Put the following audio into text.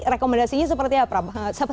rekomendasinya seperti apa